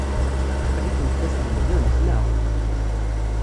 Aql-ikent la tlemmdemt, naɣ?